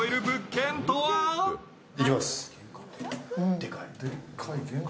でかい。